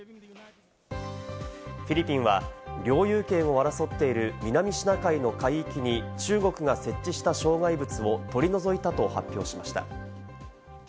フィリピンは領有権を争っている南シナ海の海域に中国が設置した障害物を取り除いたと発表しました。